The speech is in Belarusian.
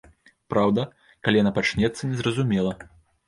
Праўда, калі яна пачнецца, незразумела.